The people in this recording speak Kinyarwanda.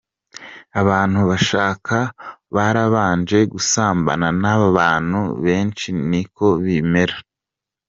Abantu bashaka barabanje gusambana n’abantu benshi ni ko bimera.